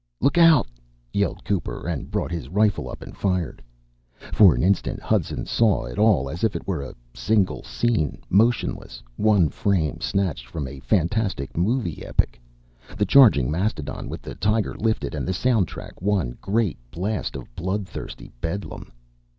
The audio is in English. "Look out!" yelled Cooper and brought his rifle up and fired. For an instant, Hudson saw it all as if it were a single scene, motionless, one frame snatched from a fantastic movie epic the charging mastodon, with the tiger lifted and the sound track one great blast of bloodthirsty bedlam.